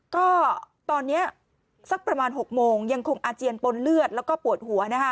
ก็ตอนนี้สักประมาณ๖โมงยังคงอาเจียนปนเลือดแล้วก็ปวดหัวนะคะ